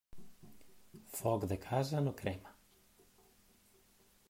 Foc de casa no crema.